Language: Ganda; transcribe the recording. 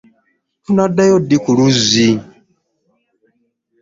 Tunaddayo ddi ku luzzi.